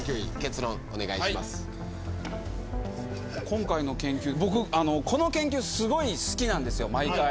今回の研究僕この研究すごい好きなんですよ毎回。